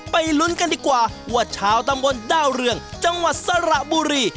ลุ้นกันดีกว่าว่าชาวตำบลดาวเรืองจังหวัดสระบุรี